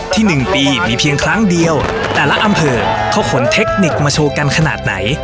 หนึ่งปีมีเพียงครั้งเดียวแต่ละอำเภอเขาขนเทคนิคมาโชว์กันขนาดไหน